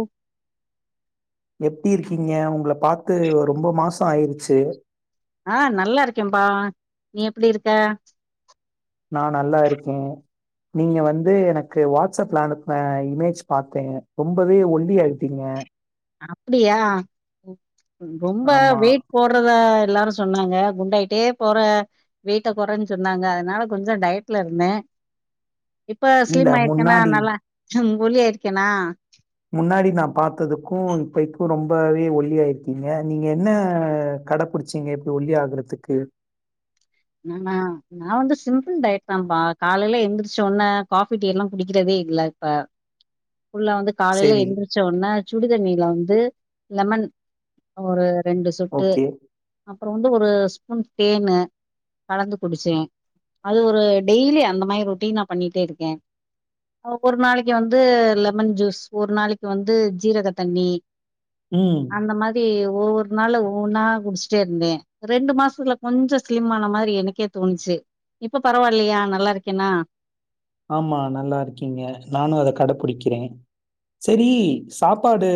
ம் எப்டி இருக்கீங்க உங்கள பாத்து ரொம்ப மாசோ ஆயிருச்சு ஆ நல்லா இருக்கேன்ம்பா நீ எப்படி இருக்க நா நல்லா இருக்கே நீங்க வந்து எனக்கு வாட்ஸ்அப்ல அனுப்புன இமேஜ் பாத்தே ரொம்பவே ஒல்லியாயிட்டீங்க அப்டியா ரொம்ப ஆமா. வெயிட் போர்றத எல்லாரும் சொன்னாங்க குண்டாயிட்டே போற வெயிட்ட கொறைன்னு சொன்னாங்க அதனால கொஞ்சம் டயட்ல இருந்தே இப்ப நா இல்ல ஸ்லிமாயிருக்கேனா முன்னாடி நல்லா ஒல்லியாயிருக்கேனா முன்னாடி நா பாத்ததுக்கும் இப்பக்கும் ரொம்பவே ஒல்லியாயிருக்கீங்க நீங்க என்ன கடப்புடி ச்சீங்க இப்புடி ஒல்லியாகுறதுக்கு நானா நா வந்து சிம்பிள் டயட் தாம்பா காலையில எந்திரிச்சோன காபி டீ எல்லாம் குடிக்கிறதே இல்ல இப்ப ஃபுல்லா வந்து காலையில சரி, எந்திரிச்ச ஒட்ன சுடிதண்ணியில வந்து லெமன் ஒரு ரெண்டு சொட்டு ஓகே. அப்புற வந்து ஒரு ஸ்பூன் தேன்னு கலந்து குடிச்சே அது ஒரு டெய்லி அந்த மாரி ரொட்டீன் நா பண்ணிட்டே இருக்கே நமக்கு ஒரு நாளைக்கு வந்து லெமன் ஜூஸ் ஒரு நாளைக்கு வந்து ஜீரக தண்ணி ம் அந்த மாதி ஒவ்வொரு நாள்ல ஒவ்வொன்னா குடிச்சிட்டே இருந்தே ரெண்டு மாசத்துல கொஞ்ச சிலிம்மான மாரி எனக்கே தோணுச்சு இப்ப பரவாயில்லையா நல்லா இருக்கேனா ஆம்மா நல்லா இருக்கீங்க நானும் அத கடைபுடிக்கிறே சரி சாப்பாடு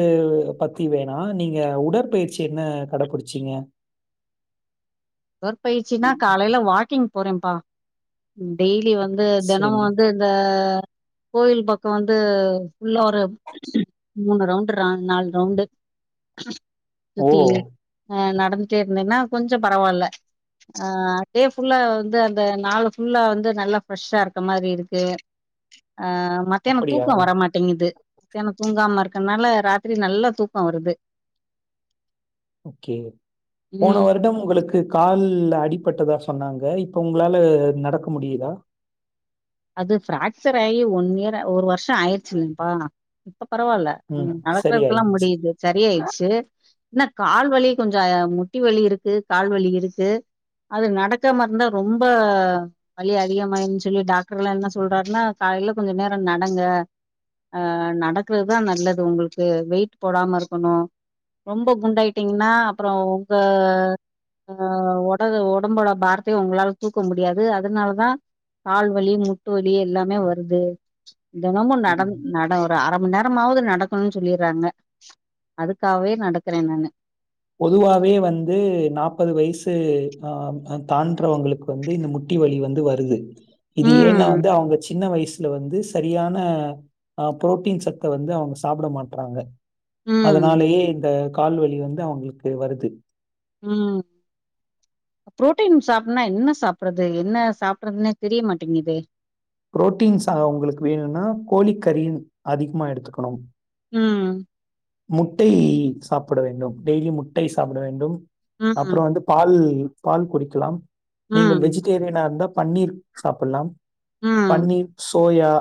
பத்தி வேணா நீங்க உடற்பயிற்சி என்ன கடப்புடிச்சீங்க உடற்பயிற்சின்னா காலையில வாக்கிங் போறேம்பா ம் டெய்லி வந்து சரி. தெனமும் வந்து இந்தா கோயில் பக்கொ வந்து புல்லா ஒரு மூனு ரவுண்டு நால் நாலு ரவுண்டு சுத்தி ஓ! ஆ நடந்துட்டே இருந்தேன்னா கொஞ்சம் பரவாயில்ல ஆ அப்டியே ஃபுல்லா வந்து அந்த நாலு ஃபுல்லா வந்து நல்லா ஃப்ரெஷ்ஷா இருக்க மாரி இருக்கு ஆ மத்தியானொ அப்படியா? தூக்கம் வர மாட் டேங்குது மத்தியான தூங்காம இருக்கன்னால ராத்திரி நல்லா தூக்கொ வருது ஓகே போன ம் வருடம் உங்களுக்கு கால் அடிப்பட்ட தா சொன்னாங்க இப்ப உங்களால நடக்க முடியுதா அது ஃபிராக்சர் ஆகி ஒன் இயர் ஒரு வருஷம் ஆயிடுச்சுல்லப்பா இப்ப பரவாயில்ல ம் நடக்கிறதுக்கெல்லாம் முடியுது சரியாயிடுச்சு என்னா கால்வலி கொஞ்ச முட்டி வலி இருக்கு கால்வலி இருக்கு அது நடக்காமருந்தா ரொம்ப வலி அதிகமாயுன் சொல்லி டாக் டர்கெல்லாம் என்ன சொல்றாருன்னா காலையில கொஞ்ச நேரம் நடங்க அ நடக்கிறதுதா நல்லது உங்களுக்கு வெயிட் போடாம இருக்கணு ரொம்ப குண்டாயிட்டிங்னா அப்புற உங்க ஆ ஒட ஒடம்போட பாரத்தைய உங்களால தூக்க முடியாது அதனாலதா கால் வலி மூட்டு வலி எல்லாமே வருது தெனமும் ம். நடந் நட ஒரு அர மண் நேரமாவது நடக்கணும்னு சொல்லியிர்றாங்க அதுக்காகவே நடக்கிறேன் நானு பொதுவாவே வந்து நாப்பது வயசு ஆ தான்றவங்களுக்கு வந்து இந்த முட்டி வலி வந்து வருது இது ஏன்னா ம் வந்து அவுங்க சின்ன வயசு ல வந்து சரியான அ புரோட்டீன் சத்த வந்து அவங்க சாப்பிட மாட்றாங்க ம் அதுனாலயே இந்த கால்வலி வந்து அவுங்களுக்கு வருது ம் புரோட்டீன் சாப்புட்னுனா என்ன சாப்புட்றது என்ன சாப்புட்றதுன்னே தெரியமாட்டேங்கிது புரோட்டீன் சதோ உங்களுக்கு வேணும்னா கோழி கறி அதிகமா எடுத்துக்கணும் ம் முட்டை சாப்பிட வேண்டும் டெய்லி முட்டை சாப்பிட வேண்டும் அப்றோ ம் வந்து பால் பால் குடிக்கலாம் நீங்கள் ம் வெஜிடேரியனா இருந்தா பன்னீர் சாப்பிட்லாம் ம் பன்னீர் சோயா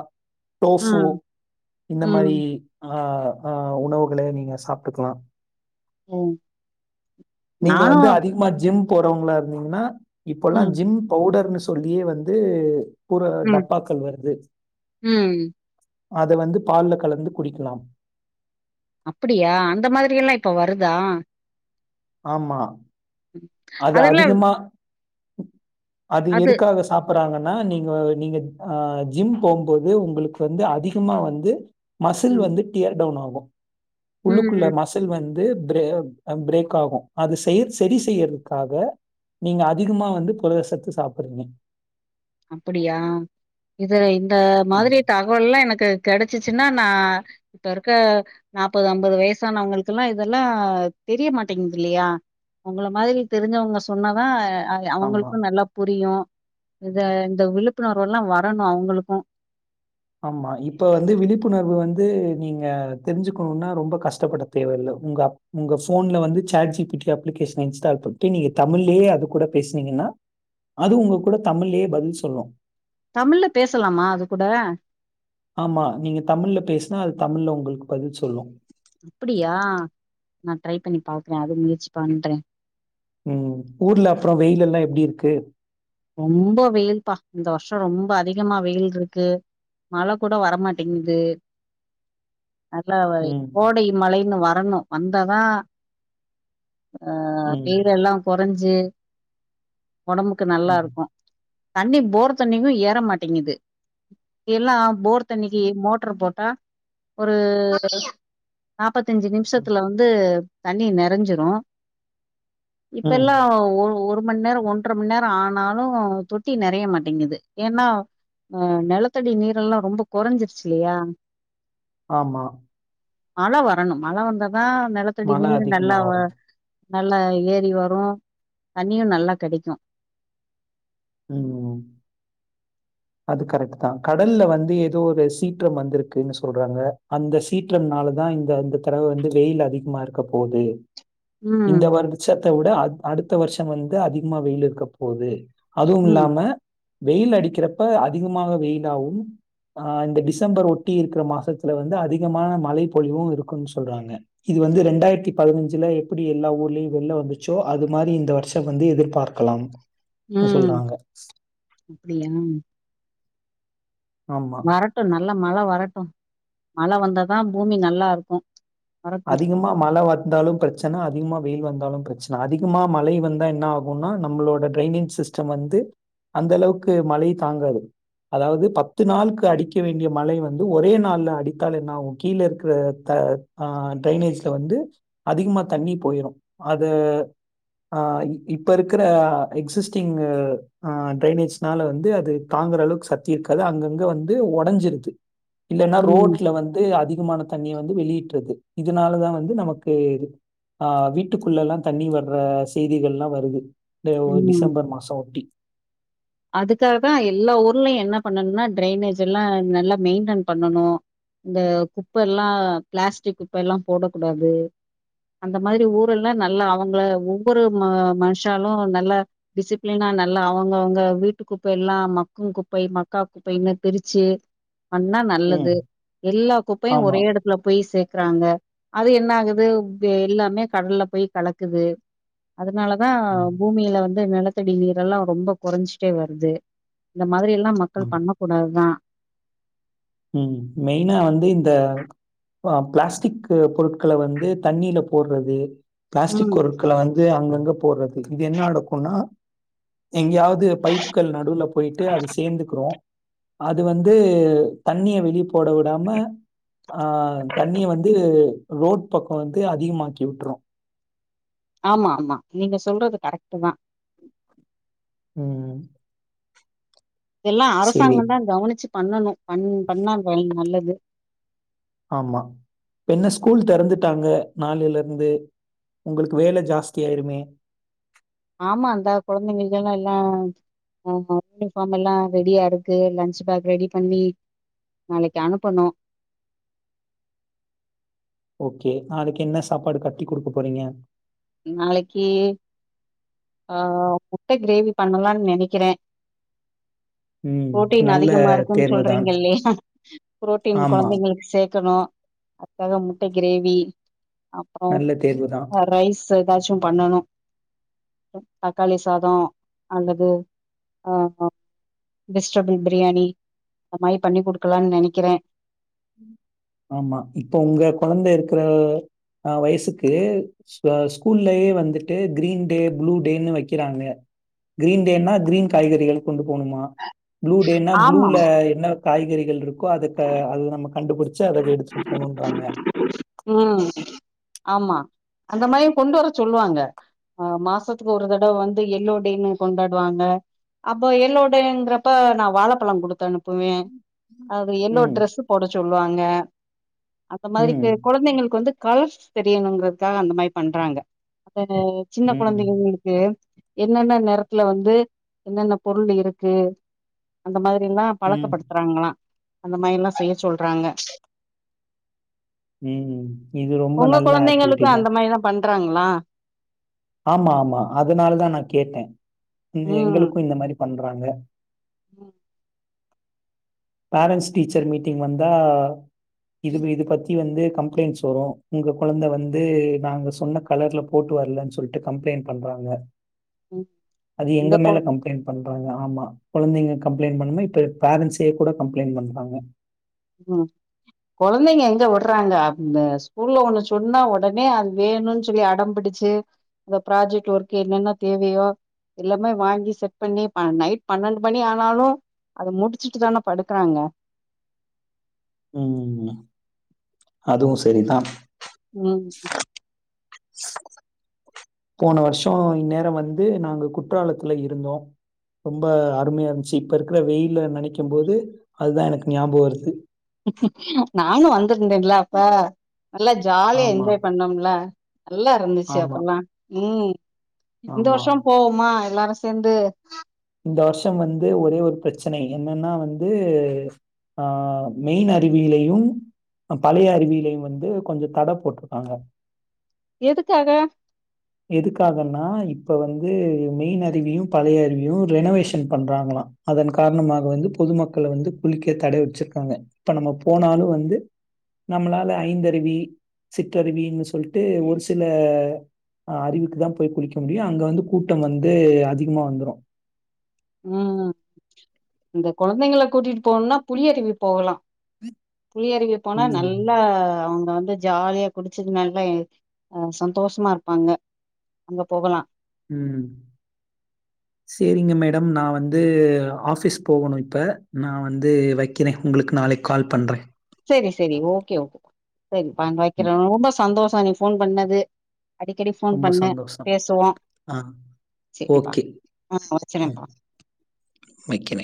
டோஃபோ ம் இந்த மாரி ம் ஆ ஆ உணவுகளை நீங்க சாப்டுக்கலா ம் நீங்க நானு வந்து அதிகமா ஜிம் போறவங்ளா இருந்தீங்கன்னா இப்பல்லா ம் ஜிம் பவுடருன்னு சொல்லியே வந்து ஒரு ம் டப்பாக்கள் வருது ம் அத வந்து பால்ல கலந்து குடிக்கலாம் அப்படியா அந்த மாதிரி எல்லா இப்ப வருதா ஆமா அது அதுல அதிகமா அது எதுக்காக சாப் சப்புட்றாங்கன்னா நீங்க நீங்க ஆ ஜிம் போம்போது உங்களுக்கு வந்து அதிகமா வந்து மசில் ம் வந்து டியர் டவுன் ஆகு உள்ளுக்குள்ள ம் மசி மசில் வந்து பிரே பிரேக் ஆகு அது செய் செரி செய்யிறது காக நீங்க அதிகமா வந்து புரதசத்து சாப்புட்றீங்க அப்படியா இது இந்த ஆமா, மாரி தாக் அப்பல்லா எனக்கு கெடைச்சிச்சுன்னா நா இப்ப இருக்க நாற்பது ஐம்பது வயசானவங்களுக்குல்லா இதெல்லா தெரியமாட்டேங்குது இல்லயா உங்கள மாரி தெரிஞ்சவங்க சொன்னாதா ஆமா, அவுங்களுக்கு நல்லா புரியு இத இந்த விழிப்புணர்வுல்லா வரணு அவுங்களுக்கு ஆமா இப்ப வந்து விழிப்புணர்வு வந்து நீங்க தெரிஞ்சிக்கணும்னா ரொம்ப கஷ்டப்பட்ட தேவ இல்ல உங்க உங்க ஃபோன்ல வந்து chat G P T application install பண்ணிட்டு நீங்க தமிழ்லயே அது கூட பேசுனீங்கன்னா அது உங்க கூட தமிழ்லேயே பதில் சொல்லு தமிழ்ல பேசலாமா அது கூட ஆமா நீங்க தமிழ்ல பேசினா அது தமிழ்ல உங்களுக்கு பதில் சொல்லு அப்புடியா நா ட்ரை பண்ணி பாக்குறே அது முயற்சி பண்றே ம் ஊர்ல அப்றோ வெயில் எல்லா எப்டி இருக்கு ரொம்ப வெயில்பா இந்த வருஷௌ ரொம்ப அதிகமா வெயில்ருக்கு மழ கூட வரமாட்டேங்குது நல்லா ம். கோடை மழையின்னு வரணு வந்தாத தா ஆ ம். வெயில் எல்லா கொறஞ்சி ஒடம்புக்கு நல்லா இருக் ம். தண்ணி போர் தண்ணிங்களு ஏற மாட்டேங்குது முந்தி எல்லா போர் தண்ணிக்கு மோட்டர் போட்டா ஒரு நாப்பத்தஞ்சி ம். நிமிஷத்துல வந்து தண்ணி நெறஞ்சிரு இப்ப ம். எல்லா ஒரு மணி நேர ஒன்றர மணி நேரோ ஆனு னாலு தொட்டி நெறைய மாட்டேங்குது ஏன்னா ஆ நெலத்தடி நீரெல்லா ரொம்ப குறைஞ்சிருச்சி இல்லயா ஆமா மழ வரணு மழ வந்ததா நிலத்தடி மழை நீர் அதிகமா நல்லா வ வரும். நல்லா ஏறி வரு தண்ணியு நல்லா கெடைக்கு ம் ம் அது கரெக்ட் தா கடல்ல வந்து ஏதோ ஒரு சீற்றோ வந்திருக்குன்னு சொல்றாங்க அந்த சீற்றம்னாலதா இந்த இந்த தடவ வந்து வெயில் அதிகமா இருக்க போது இந்த ம் வருஷத்த விட அ அடுத்த வருஷம் வந்து அதிகமா வெயில் இருக்க போகுது அதுவு ம் இல்லாம வெயில் அடிக்கிறப்ப அதிகமாக வெயிலாவு ஆ இந்த டிசம்பர் ஒட்டி இருக்கிற மாசத்துல வந்து அதிகமான மழை பொழிவு இருக்குனு சொல்றாங்க இது வந்து ரெண்டாயிரத்தி பதினஞ்சுல எப்டி எல்லா ஊர்லயு வெள்ள வந்துச்சோ அது மாரி இந்த வருஷம் வந்து எதிர்பாக் கலாம் ம் சொல்றாங்க அப்டியா ஆமா. வரட்டு நல்லா மழ வரட்டு மழ வந்ததா பூமி நல்லா இருக்கு வரட்டு அதிகமா மழ வந்தாலு பிரச் ச்சன அதிகமா வெயில் வந்தாலும் பிரச்சன அதிகமா மழை வந்தா என்ன ஆகும்னா நம்மளோட டிரைனிங் சிஸ்டம் வந்து அந்த அளவுக்கு மழை தாங்காது அதாவது பத்து நாளுக்கு அடிக்க வேண்டிய மழை வந்து ஒரே நாள் அடித்தால் என்ன ஆவும் கீழ இருக்ற த ஆ ட்ரைனேஜ்ல வந்து அதிகமா தண்ணி போயிரு அத ஆ இப்ப இருக்கிற எக்ஸிஸ்டிங் ஆ டிரைனேஜ்னால வந்து அது தாங்குற அளவுக்கு சத்தி இருக்காது அங்கங்க வந்து ஒடைஞ்சிருது இல்லன்னா ம் ரோட்ல வந்து அதிகமான தண்ணிய வந்து வெளியிட் டுருது இதனாலதா வந்து நமக்கு இது ஆ வீட்டுக்குள்ளல்லா தண்ணி வர்ற செய்திகள்லா வருது இந்த டிசம்பர் மாசம் ஒட்டி அதுக்காகதா எல்லா ஊர்லயு என்ன பண்ணனும்னா டிரைனேஜ் எல்லா நல்லா மெயின்டென் பண்ணனு இந்த குப்ப எல்லா பிளாஸ்டிக் குப்ப எல்லா போடக்கூடாது அந்த மாதிரி ஊர் எல்லா நல்லா அவுங்கள ஒவ்வொரு மனுஷாலு நல்ல டிசிப்ளினா நல்லா அவுங்க அவுங்க வீட்டு குப்பை எல்லா மக்கும் குப்பை மக்கா குப்பைன்னு பிரிச்சு பண்ணா நல்லது ம் எல்லா குப்பையு ஆமா ஒரே எடத் துல போய் சேக்கறாங்க அது என்ன ஆகுது எல்லாமே கடல்ல போய் கலக்குது அதனாலதா பூமியில வந்து நிலத்தடி நீரெல்லா ரொம்ப கொறஞ்சி ட்டே வருது இந்த மாதிரி எல்லா மக்கள் ம். பண்ணக்கூடாதுதா ம் மெயினா வந்து இந்த அ பிளாஸ்டிக் பொருட் கள வந்து தண்ணியில போட்றது பிளாஸ்டிக் ம் பொருட்கள வந் து அங்கங்க போடுறது இது என்ன நடக்கும்னா எங்கேயாவது பைப்கள் நடுவுல போயிட்டு அது சேந்துக்கிரு அது வந்து தண்ணிய வெளி போட விடாம ஆ தண்ணிய வந்து ரோட் பக்கம் வந்து அதிகமாக்கி விட்டுரு ஆமா ஆமா நீங்க சொல்றது கரெக்ட்டுதா ம் எல்லா சரி. அரசாங்கந்தா கவனிச்சு பண்ணணு பண் பண்ணா நல்லது ஆமா என்ன ஸ்கூல் தெறந்துட்டாங்க நாளைல இருந்து உங்களுக்கு வேல ஜாஸ்தி ஆயிருமே ஆமா அந்த கொழந்தைங்கள்க்கு எல்லா ஆஹ யூனிஃபார்ம் எல்லா ரெடியா இருக்கு லன்ச் பேக் ரெடி பண்ணி நாளைக்கு அனுப்பனு ஓகே நாளைக்கு என்ன சாப்பாடு கட்டி குடுக்க போறீங்க நாளைக்கி ஆ முட்ட கிரேவி பண்ணலாம்னு நெனைக்கிறே ம். புரோட்டீன் நல்ல அதிகமா இருக்குன்னு தேர்வு தான். சொல்றீங்க இல்லையா புரோட்டீன் ஆமா. கொழந்தைங்களுக்கு சேக்கணு அத்க்காக முட்ட கிரேவி அப்பறோ நல்ல தேர்வு தான். ரைஸ் ஸுஎதாச்சு பண்ணணு தக்காளி சாதோ அல்லது அ வெஜ்டபிள் பிரியாணி அது மாரி பண்ணி குடுக்கலான்னு நெனைக்கிறெ ஆம்மா இப்ப உங்க கொழந்தை இருக்கிறல் ஆ வய்சுக்கு ஸ்வ ஸ்கூல்லயே வந்துட்டு கிரீன் டே ப்ளூ டேன்னு வக்கிறாங்க கிரீன் டேன்னா கிரீன் காய்கறிகள் கொண்டுபோனும்மா ப்ளடேன்னா ப்ளூல ஆமாம் என்ன காய்கறிகள்ருக்கோ அதுக்க அது நம்ம கண்டுபுட் ச்சு அத எடுத்துட்டு போணுன்றாங்க ம் ஆம்மா அந்த மாரியு கொண்டுவர சொல்லுவாங்க அ மாசத்துக்கு ஒரு தடவ வந்து எல்லோ டேன்னு கொண்டாடுவாங்க அப்ப எல்லோடங்கறப்ப நா வாழைப்பழொ குடுத்து அனுப்புவே அது எல்லோ ம், டிரெஸ்ஸு போட சொல்லுவாங்க அந்தமாரி ம், கொழந்தைங்களுக்கு வந்து கல்ர்ஸ் தெரியணுங்கறதுக்காக அந்த மாரி பண்றாங்க அத சின்ன ம், கொழந்தைங்க க்கு என்னென்ன நெறத்ல வந்து என்னென்ன பொருள் இருக்கு அந்த மாதிரில்லா ம், பழக்கப்படுத்துறாஙளா அந்த மாயிஎல்லா செய்ய சொல்றாங்க ம் இது ரொம்ப உங்க நல்ல ஆக்டிவிட்டி கொழந்தைங்களுக்கு அந்த தான். மாயிஎல்லா பண்றாங்களா ஆம்மா ஆம்மா அதனாலதா நா கேட்டெ ந்த ம் எங்களுக்கு இந்தமாரி பண்றாங்க ம் பேரண்ட்ஸ் டீச்சர் மீட்டிங் வந்தா இது இது பத்தி வந்து கம்ப்ளெண்ட்ஸ் வரு உங்க கொழந்த வந்து நாங்க சொன்னக் கலர்ல போட்டு வர்லன்னு சொல்ட்டு கம்ப்ளைண்ட் பண்றாங்க ம் அது இந்த எங்க கொ மேல கம்ப்ளெய்ண்ட் பண்றாங்க ஆம்மா கொழந்தங்க கம்ப்ளெய்ண்ட் பண்ணுமா இப்ப பேரண்ட்ஸ் யேகுட கம்ப்ளெய்ண்ட் பண்றாங்க ம் கொழந்தங்க எங்க விட்றாங்க அ ஸ்கூல்ல ஒண்ணு சொன்னா ஒடனே அது வேணுன்சொல்லி அடம்பிடிச் ச்சு அந்த ப்ராஜெக்ட் ஒர்க்கு என்னென்ன தேவியோ எல்லாமே வாங்கி செட் பண்ணி நைட் பன்னண்டு மணி ஆனாலு அது முடிச்சுட்டுதான படுக்கறாங்க ம் ம் அதுவுசெரிதா ம் போனவர்ஷோ இந்நேரோ வந்து நாங்க குற்றாலத்துல இருந்தோ ரொம்ப அருமைய இருந்ச்சு இப்போ இருக்கிற வெயில நெனைக்கும்போது அதுதா எனக்கு ஞாபகொ வருது நாங்லு வந்திர்ந்தேல்ல அப்ப நல்லா ஜாலியா ஆமா, என்ஜாய் பண்ணோம்ல நல்லார்ந்துச்சு ஆமா, அப்பல்லா உம் இந்த ஆமா. வர்ஷோ போவுமா எல்லாரு சே சேந்து இந்த வர்ஷம் வந்து ஒரே ஒர் பிரச்சனை என்னன்னா வந்து ஆ மெய்ன் அருவிலையு பழைய அருவியிலயு வந்து கொஞ்சோ தட போட்ருக்காங்க எதுக்காக எதுக்காகன்னா இப்ப வந்து மெய்ன் அருவியு பழையஅருவியு ரெனோவேஷன் பண்றாங்களா அதன் காரணமாக வந்து பொதுமக்கள் வந்து குளிக்க தடை வச்சிருக்காங்க இப்ப நம்ம போனாலு வந்து நம்மளால ஐந்தருவி சிற்றருவினு சொல்ட்டு ஒரு சில ஆ அறிவுக்கு தா போய் குளிக்க முடியு அங்க வந்து கூட்டோ வந்து அதிகமா வந்துரு ம் அந்த குழந்தைங்கள கூட்டிட்டு போணுன்னா புலியருவி போகலா புலியறிவி போனா ம், நல்லா அவுங்க வந்து ஜாலியா குடிச்சுடுமாங்ல்லே அ சந்தோஷமாருப்பாங்க அங்க போவலா ம் செரிங்க மேடம் நா வந்து ஆஃபீஸ் போவணு இப்போ நா வந்து வை வைக்கிறே உங்களுக்கு நாளைக் கால் பண்றே செரி செரி ஓகே ஓகே செரி வைக்கிறே ரொம்ப சந்தோஷோ நீ போன் பண்ணது அடிக்கடி ஃபோன் ரொம்ப பண்ணு சந்தோஷம். பேசுவோ ஆ. செரிப்பா ஆ வச்சுரேன்ப்பா வக்கிறே